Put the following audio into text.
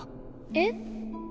えっ？